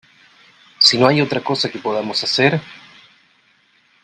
si no hay otra cosa que podamos hacer ...